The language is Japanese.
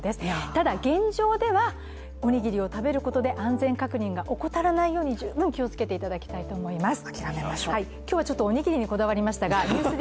ただ現状では、おにぎりを食べることで安全確認が怠ることは十分気をつけていただきたいと思います。